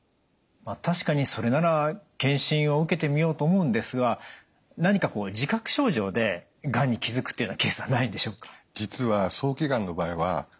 確かにそれなら検診を受けてみようと思うんですが何かこう自覚症状でがんに気づくというようなケースはないんでしょうか？